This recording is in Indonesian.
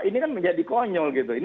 ini kan menjadi konyol gitu